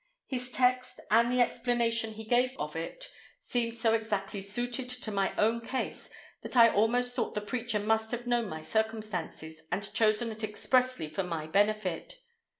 His text, and the explanation he gave of it, seemed so exactly suited to my own case, that I almost thought the preacher must have known my circumstances, and chosen it expressly for my benefit.